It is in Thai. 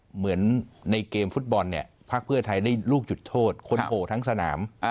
เหมือนในเกมฟุตบอลเนี่ยพักเพื่อไทยได้ลูกจุดโทษคนโผล่ทั้งสนาม